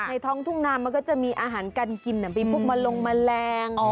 ในท้องทุ่งน้ำมันก็จะมีอาหารกันกินอ่ะมีพวกมะลงแมลงอ๋อ